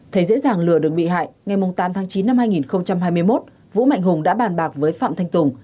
thấy dễ dàng lừa được bị hại ngày tám tháng chín năm hai nghìn hai mươi một vũ mạnh hùng đã bàn bạc với phạm thanh tùng